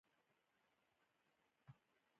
دا به په لومړي پړاو کې اقتصادي ډیموکراسي وي.